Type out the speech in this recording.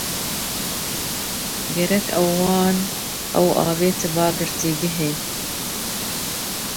Gerek e wan, ew avêtiba girtîgehê.